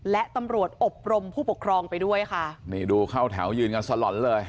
และตำรวจอบรมผู้ปกครองไปด้วยค่ะนี่ดูเข้าแถวยืนกันสล่อนเลย